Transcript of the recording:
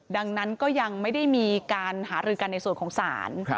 ดังนั้นก็ยังไม่ได้มีการหารือกันในส่วนของศาล